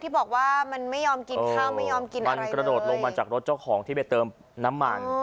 บอกว่ามันไม่ยอมกินข้าวไม่ยอมกินมันกระโดดลงมาจากรถเจ้าของที่ไปเติมน้ำมัน